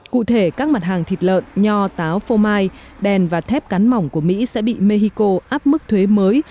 cụ thể các mặt hàng thịt lợn nho táo phô mai đèn và thép cắn mỏng của mỹ sẽ bị mexico áp mức thuế mới